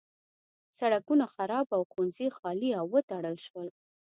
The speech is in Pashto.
سړکونه خراب او ښوونځي خالي او وتړل شول.